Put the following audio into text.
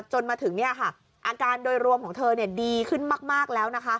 จนมาถึงนี่อาตรศัพท์อาการโดยรวมถือดีขึ้นมากแล้ว